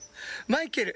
マイケル